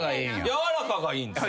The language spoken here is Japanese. やわらかがいいんです。